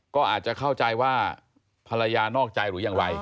ก็อาจจะเข้าใจว่าภรรยานอกใจหรือยังไร